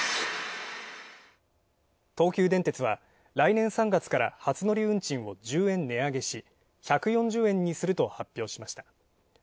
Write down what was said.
東急電鉄は、来年３月から初乗り運賃を１０円値上げし、１４０円にすると発表しました。